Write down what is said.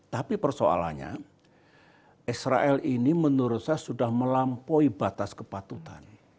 tapi persoalannya israel ini menurut saya sudah melampaui batas kepatutan